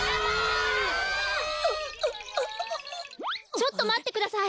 ちょっとまってください。